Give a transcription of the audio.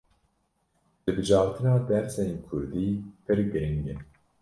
Hilbijartina dersên kurdî pir giring e.